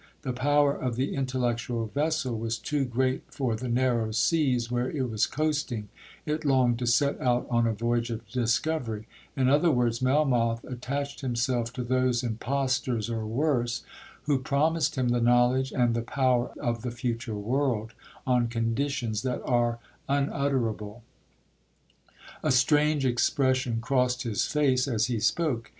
The power of the intellectual vessel was too great for the narrow seas where it was coasting—it longed to set out on a voyage of discovery—in other words, Melmoth attached himself to those impostors, or worse, who promised him the knowledge and the power of the future world—on conditions that are unutterable.' A strange expression crossed his face as he spoke.